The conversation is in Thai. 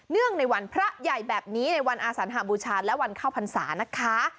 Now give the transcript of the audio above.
ในวันพระใหญ่แบบนี้ในวันอาสัญหาบูชาและวันเข้าพรรษานะคะ